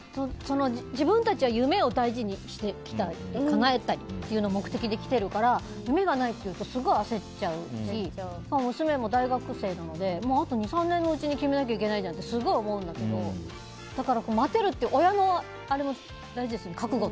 自分たちは夢を大事にしていきたいかなえたいという目的で来ているから夢がないっていうとすごい焦っちゃうし娘も大学生なのであと２３年のうちに決めなきゃいけないじゃんってすごい思うんだけどだから、待てるっていう親の覚悟も大事ですね。